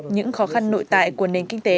những khó khăn nội tại của nền kinh tế